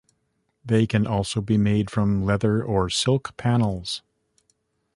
They can also be made from leather or silk panels.